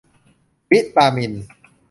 วิตามิน